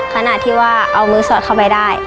ขณะที่ว่าเอามือสอดเข้าไปได้